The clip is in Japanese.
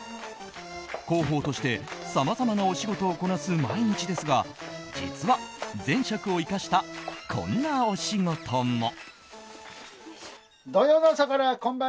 広報として、さまざまなお仕事をこなす毎日ですが実は前職を生かしたこんなお仕事も。